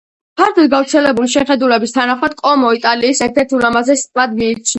ფართოდ გავრცელებული შეხედულების თანახმად, კომო იტალიის ერთ-ერთ ულამაზეს ტბად მიიჩნევა.